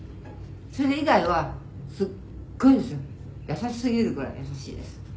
「それ以外はすっごいですよ」「優しすぎるぐらい優しいです」